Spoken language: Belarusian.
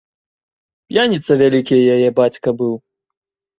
П'яніца вялікі яе бацька быў.